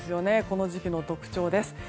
この時期の特徴です。